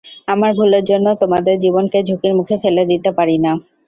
আমার ভুলের জন্য তোমাদের জীবনকে ঝুঁকির মুখে ফেলতে দিতে পারি না।